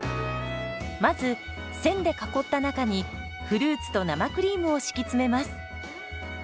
まず線で囲った中にフルーツと生クリームを敷き詰めます。